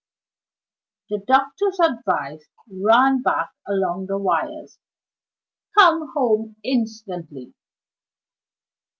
The doctor's advice ran back along the wires: "Come home instantly."